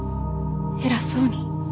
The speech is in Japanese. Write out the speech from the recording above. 偉そうに。